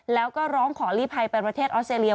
แล้วก็ร้องขอลีภัยไปประเทศออสเตรเลีย